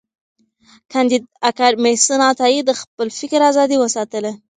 کانديد اکاډميسن عطایي د خپل فکر آزادی وساتله.